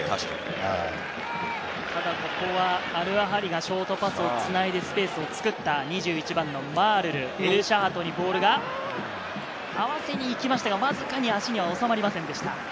ただここはアルアハリがショートパスをつないでスペースを作った２１番のマールル、エルシャハトにボールが合わせに行きましたが、わずかに足には収まりませんでした。